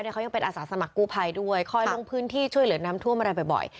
เขายังเป็นอาสาสมัครกู้ภัยด้วยคอยลงพื้นที่ช่วยเหลือน้ำท่วมอะไรบ่อย